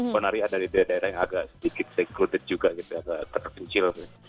ponari ada di daerah daerah yang agak sedikit degruded juga gitu agak terpencil